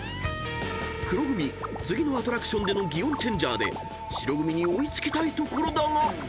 ［黒組次のアトラクションでの擬音チェンジャーで白組に追い付きたいところだが］